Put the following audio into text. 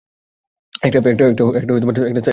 একটা সাইনবোর্ড তো লাগাতে পারো।